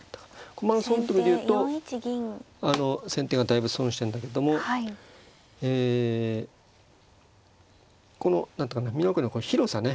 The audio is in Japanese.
駒の損得で言うと先手がだいぶ損してんだけどもえこの何ていうかな美濃囲いの広さね。